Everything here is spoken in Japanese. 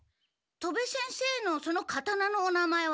戸部先生のその刀のお名前は？